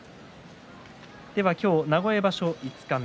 今日、名古屋場所五日目